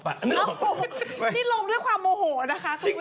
นี่ลงด้วยความโมโหนะคะคุณผู้ชม